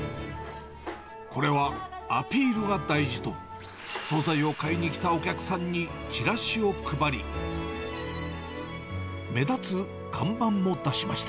これはアピールが大事と、総菜を買いに来たお客さんにチラシを配り、目立つ看板も出しました。